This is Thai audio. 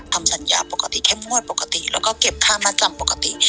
ทำศัลย์ปกติแค่มวดปกติแล้วก็เก็บข้ามันจำปกติ